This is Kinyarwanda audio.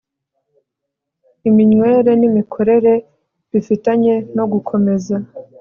iminywere nimikorere bifitanye no gukomeza